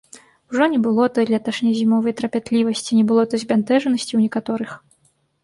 Ужо не было той леташняй зімовай трапятлівасці, не было той збянтэжанасці ў некаторых.